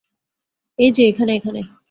এই যে, এখানে, এখানে।